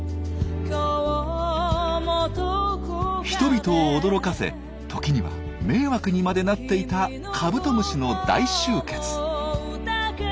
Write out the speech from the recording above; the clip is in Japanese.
人々を驚かせ時には迷惑にまでなっていたカブトムシの大集結。